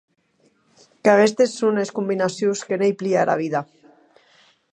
Qu’aguestes son es combinacions que n’ei plia era vida.